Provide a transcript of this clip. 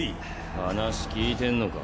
話聞いてンのか。